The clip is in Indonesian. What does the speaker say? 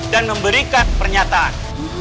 dan memberikan pernyataan